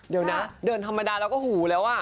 เดี๋ยวนะเดินธรรมดาแล้วก็หูแล้วอ่ะ